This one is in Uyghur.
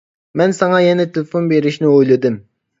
مەن ساڭا يەنە تېلېفون بېرىشنى ئويلىدىم.